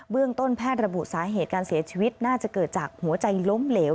เรื่องต้นแพทย์ระบุสาเหตุการเสียชีวิตน่าจะเกิดจากหัวใจล้มเหลว